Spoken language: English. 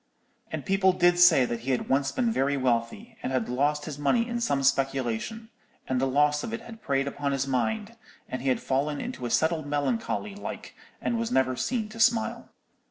And people did say that he had once been very wealthy, and had lost his money in some speculation; and the loss of it had preyed upon his mind, and he had fallen into a settled melancholy like, and was never seen to smile.'